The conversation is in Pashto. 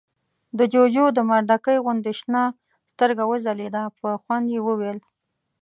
د جُوجُو د مردکۍ غوندې شنه سترګه وځلېده، په خوند يې وويل: